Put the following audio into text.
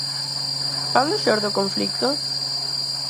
¿Cando xorde o conflito?